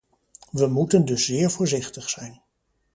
We moeten dus zeer voorzichtig zijn.